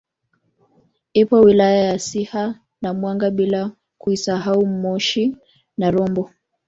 Ipo wilaya ya Siha na Mwanga bila kuisahau Moshi na Rombo